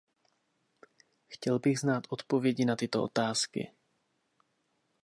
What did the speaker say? Chtěl bych znát odpovědi na tyto otázky.